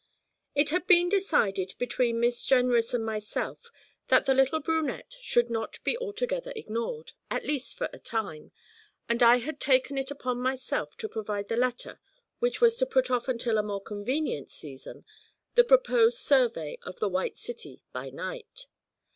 It had been decided between Miss Jenrys and myself that the little brunette should not be altogether ignored, at least for a time; and I had taken it upon myself to provide the letter which was to put off until a more convenient season the proposed survey of the White City by night.